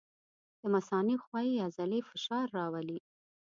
د مثانې ښویې عضلې فشار راولي.